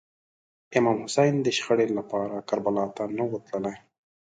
امام حسین د شخړې لپاره کربلا ته نه و تللی.